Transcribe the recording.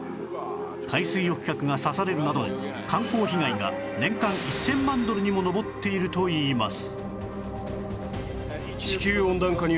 海水浴客が刺されるなどの観光被害が年間１０００万ドルにも上っているといいます